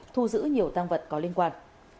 thu giữ nhiều tăng vật có liên quan